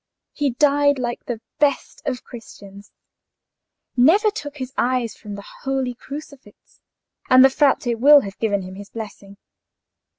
"He died like the best of Christians." "Never took his eyes from the holy crucifix." "And the Frate will have given him his blessing?"